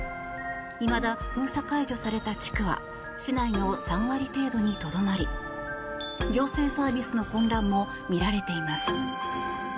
いまだ封鎖解除された地区は市内の３割程度にとどまり行政サービスの混乱も見られています。